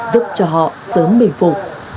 giúp cho họ sớm bình phục